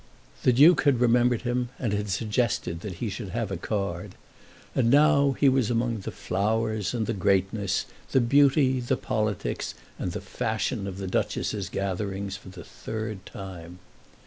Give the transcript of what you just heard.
The Duke had remembered him, and had suggested that he should have a card. And now he was among the flowers and the greatness, the beauty, the politics, and the fashion of the Duchess's gatherings for the third time.